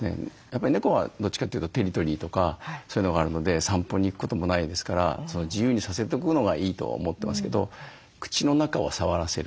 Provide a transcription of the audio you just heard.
猫はどっちかというとテリトリーとかそういうのがあるので散歩に行くこともないですから自由にさせとくのがいいとは思ってますけど口の中を触らせる。